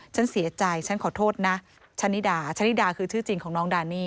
ฉันเสียใจฉันขอโทษนะชะนิดาชะนิดาคือชื่อจริงของน้องดานี่